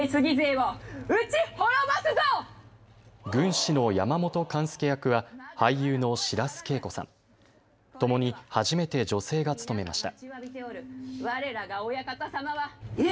軍師の山本勘助役は俳優の白須慶子さん、共に初めて女性が務めました。